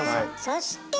そして！